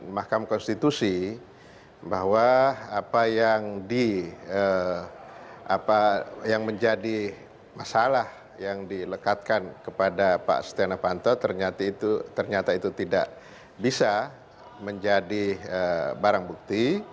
makam konstitusi bahwa apa yang di apa yang menjadi masalah yang dilekatkan kepada pak stiano vanto ternyata itu ternyata itu tidak bisa menjadi barang bukti